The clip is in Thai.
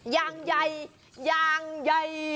อย่างใหญ่อย่างใหญ่